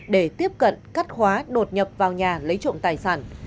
để tiếp cận cắt khóa đột nhập vào nhà lấy trộm tài sản